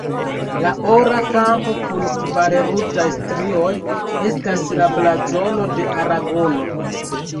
La ora kampo kun kvar ruĝaj strioj estas la blazono de Aragono.